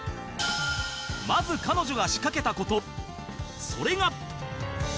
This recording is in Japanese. まず彼女が仕掛けた事それが